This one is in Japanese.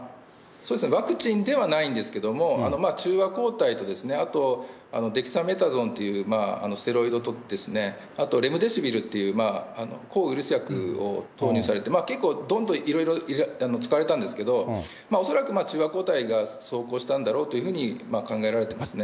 そうですね、ワクチンではないんですけど、中和抗体と、あと、デキサメタゾンっていう、ステロイドと、あとレムデシビルっていう抗ウイルス薬を投入されて、結構、どんどんいろいろ使われたんですけれども、恐らく、中和抗体が奏功したんだろうというふうに考えられてますね。